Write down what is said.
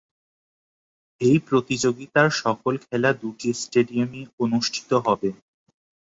এই প্রতিযোগিতার সকল খেলা দুটি স্টেডিয়ামে অনুষ্ঠিত হবে।